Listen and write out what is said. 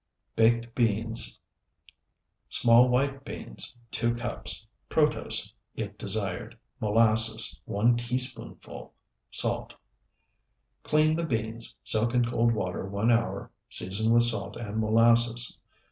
BAKED BEANS Small white beans, 2 cups. Protose, if desired. Molasses, 1 teaspoonful. Salt. Clean the beans, soak in cold water one hour, season with salt and molasses.